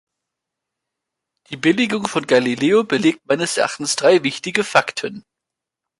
Die Billigung von Galileo belegt meines Erachtens drei wichtige Fakten.